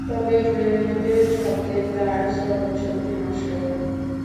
তবে গ্রেনেডের শব্দে তাঁর শ্রবণশক্তি নষ্ট হয়।